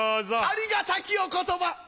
ありがたきお言葉。